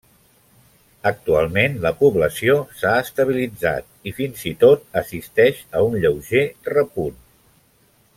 Actualment la població s'ha estabilitzat i fins i tot assisteix a un lleuger repunt.